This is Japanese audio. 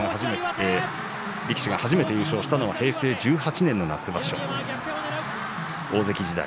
白鵬が初めて優勝したのが平成１８年の夏場所、大関時代。